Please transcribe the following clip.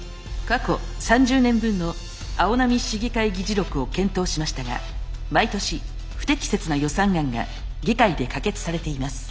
過去３０年分の青波市議会議事録を検討しましたが毎年不適切な予算案が議会で可決されています。